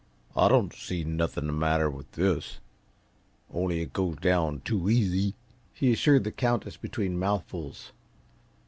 "I don't see nothing the matter with this only it goes down too easy," he assured the Countess between mouthfuls.